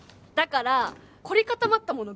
からー凝り固まったもの